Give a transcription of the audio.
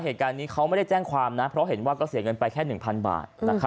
เหตุการณ์นี้เขาไม่ได้แจ้งความนะเพราะเห็นว่าก็เสียเงินไปแค่๑๐๐บาท